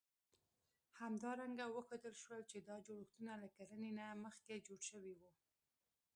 همدارنګه وښودل شول، چې دا جوړښتونه له کرنې نه مخکې جوړ شوي وو.